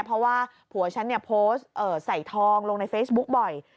เพราะว่าผัวฉันเนี่ยโพสต์ใส่ทองลงในเฟซบุ๊คบ่อย